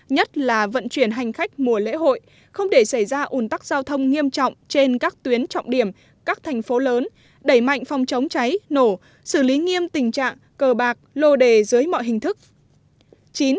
nhất là vận chuyển hành khách mùa lễ hội không để xảy ra ủn tắc giao thông nghiêm trọng trên các tuyến trọng điểm các thành phố lớn đẩy mạnh phòng chống cháy nổ xử lý nghiêm tình trạng cờ bạc lô đề dưới mọi hình thức